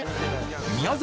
宮崎